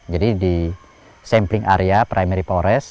jadi di sampling area primary forest